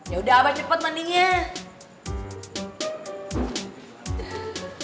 yaudah abah cepat mandinya